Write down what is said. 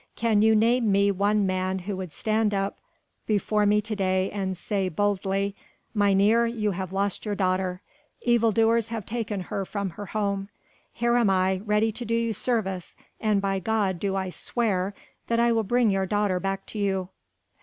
Can you name me one man who would stand up before me to day and say boldly: 'Mynheer, you have lost your daughter: evil doers have taken her from her home. Here am I ready to do you service, and by God do I swear that I will bring your daughter back to you!'